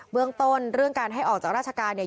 เรื่องต้นเรื่องการให้ออกจากราชการเนี่ย